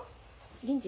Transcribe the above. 銀次